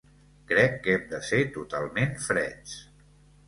Crec que hem de ser totalment freds.